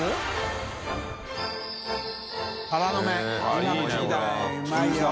海うまいよ。